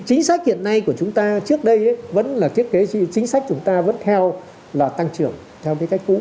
chính sách hiện nay của chúng ta trước đây vẫn là thiết kế chính sách chúng ta vẫn theo là tăng trưởng theo cái cách cũ